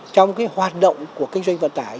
trong cái hoạt động của kinh doanh vận tải